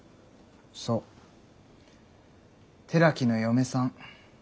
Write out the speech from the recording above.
そう寺木の嫁さん。